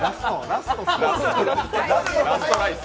ラストライス。